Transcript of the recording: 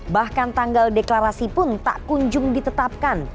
bahkan tanggal deklarasi pun tak kunjung ditetapkan